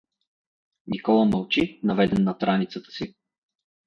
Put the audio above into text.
Никола мълчи, наведен над раницата си.